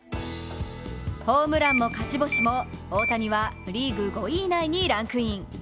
ホームランも勝ち星も、大谷はリーグ５位以内にランクイン。